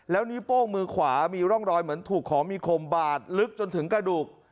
แล้วนิ้วโป้งมือขวามีร่องรอยเหมือนถูกของมีคมบาดลึกจนถึงกระดูก